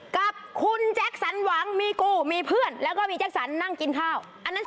กับคุณแจ็คสันหวังมีกูมีเพื่อนแล้วก็มีแจ็คสันนั่งกินข้าวอันนั้น